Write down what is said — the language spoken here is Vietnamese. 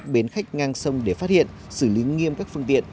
bến khách ngang sông để phát hiện xử lý nghiêm các phương tiện